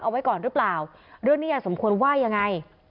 เอาไว้ก่อนหรือเปล่าเรื่องนี้ยายสมควรว่ายังไง